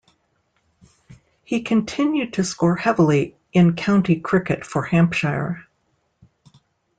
He continued to score heavily in county cricket for Hampshire.